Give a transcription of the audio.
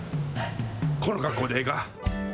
この格好でええか？